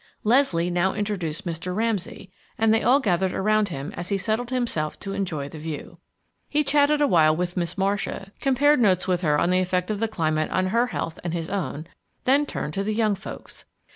Leslie now introduced Mr. Ramsay, and they all gathered around him as he settled himself to enjoy the view. He chatted a while with Miss Marcia, compared notes with her on the effect of the climate on her health and his own, then turned to the young folks.